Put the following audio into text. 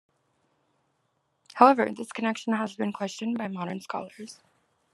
However, this connection has been questioned by modern scholars.